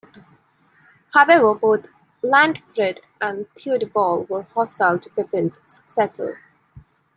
However, both Lantfrid and Theudebald were hostile to Pepin's successor.